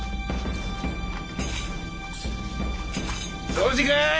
掃除かい？